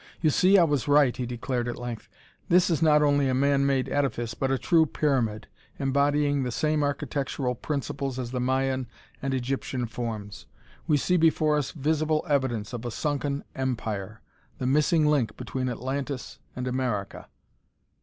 "You see, I was right!" he declared at length. "This is not only a man made edifice but a true pyramid, embodying the same architectural principles as the Mayan and Egyptian forms. We see before us the visible evidence of a sunken empire the missing link between Atlantis and America."